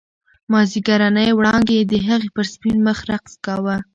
مازیګرنۍ وړانګې د هغې پر سپین مخ رقص کاوه.